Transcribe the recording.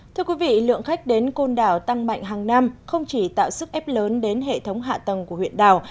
thưa quý vị lượng khách đến côn đảo tăng mạnh hàng năm không chỉ tạo sức ép lớn đến hệ thống hạ tầng của huyện đảo